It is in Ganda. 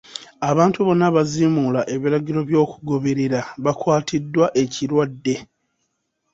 Abantu bonna abaaziimuula ebiragiro by'okugoberera baakwatiddwa ekirwadde.